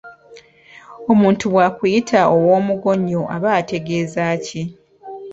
Omuntu bwakuyita ow'omugoonyo aba ategeeza ki?